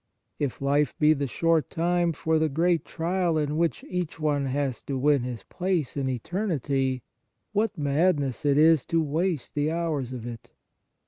If life be the short time for the great trial in which each one has to win his place in eternity, what madness it is to waste the hours of it